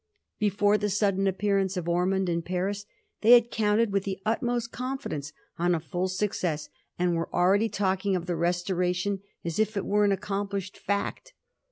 Before the sudden appearance of Ormond in Paris they had counted, with the utmost confidence, on a full suc cess, and were already talking of the Restoration as if it were an accomplished fact.